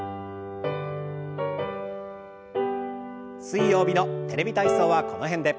水曜日の「テレビ体操」はこの辺で。